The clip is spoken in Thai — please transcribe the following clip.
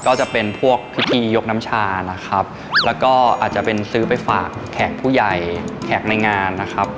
ก็จะเป็นพวกพิธียกน้ำชานะครับแล้วก็อาจจะเป็นซื้อไปฝากแขกผู้ใหญ่แขกในงานนะครับ